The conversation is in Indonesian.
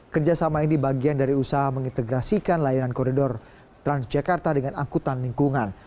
kerjasama ini bagian dari usaha mengintegrasikan layanan koridor transjakarta dengan angkutan lingkungan